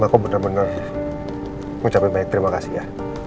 aku benar benar mengucapkan baik terima kasih ya